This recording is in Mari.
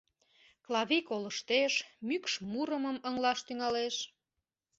Клавий колыштеш, мӱкш мурымым ыҥылаш тӱҥалеш.